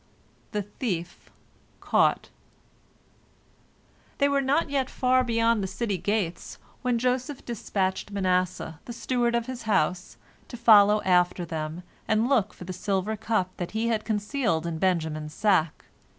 THE THIEF CAUGHT They were not yet far beyond the city gates, when Joseph dispatched Manasseh, the steward of his house, to follow after them, and look for the silver cup that he had concealed in Benjamin's sack.